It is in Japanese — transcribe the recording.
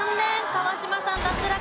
川島さん脱落です。